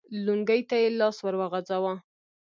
لونګۍ ته يې لاس ور وغځاوه.